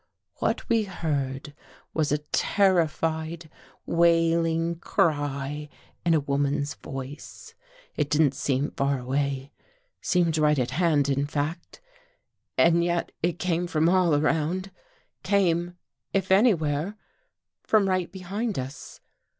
What we heard was a terrified wailing cry in a woman's voice. It didn't seem far away — seemed right at hand, in fact. And yet it came from all around — came, if anywhere, from right behind us.